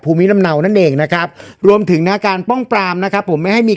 ภูมิลำเนานั่นเองนะครับรวมถึงนะการป้องปรามนะครับผมไม่ให้มี